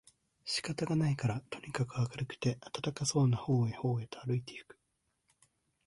仕方がないからとにかく明るくて暖かそうな方へ方へとあるいて行く